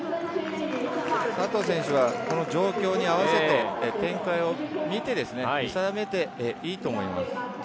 佐藤選手は状況に合わせて展開を見て、見定めていいと思います。